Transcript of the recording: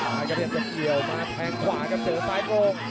สายกลับยังจะเกี่ยวมาแทงขวากับตัวสายโมง